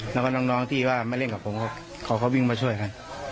แล้วก็น้องที่ว่าไม่เล่นกับผมเขาก็วิ่งมาช่วยกัน